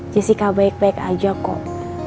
jessica baik baik aja kok